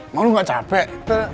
mau lo gak capek